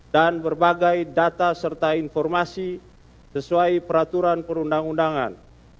dan berbagai data serta informasi sesuai peraturan perundang undangan